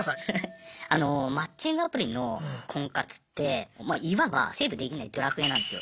あのマッチングアプリの婚活っていわばセーブできない「ドラクエ」なんですよ。